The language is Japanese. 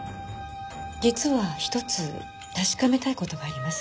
実はひとつ確かめたい事があります。